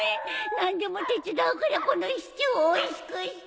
何でも手伝うからこのシチューをおいしくして。